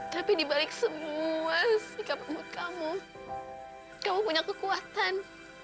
tapi dibalik semua sikap mut kamu kamu punya kekuatan